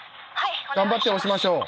頑張って押しましょう。